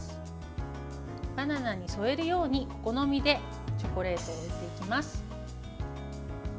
バナナに添えるようにお好みでチョコレートを置いていきます。